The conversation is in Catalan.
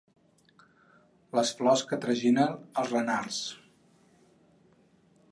Les flors que traginen els renards.